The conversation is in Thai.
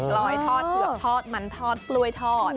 กลอยทอดตึกภิกษ์ทอดมันทอดกลวยทอด